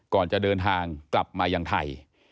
ก่อนจะเดินทางกลับมายังไทย